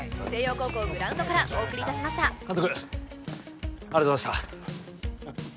高校グラウンドからお送りいたしました監督ありがとうございました